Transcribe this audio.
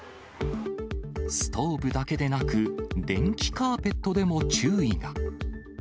ストーブだけでなく、電気カーペットでも注意が。